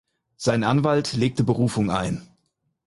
Sein Anwalt legte Berufung ein.